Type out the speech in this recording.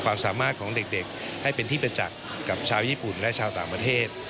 ความสามารถของเด็กให้เป็นที่ประจักษ์กับชาวญี่ปุ่นและชาวต่างประเทศ